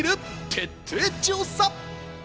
徹底調査！